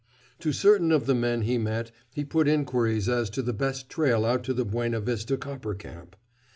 To certain of the men he met he put inquiries as to the best trail out to the Buenavista Copper Camp.